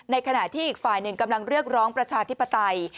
ขณะที่อีกฝ่ายหนึ่งกำลังเรียกร้องประชาธิปไตย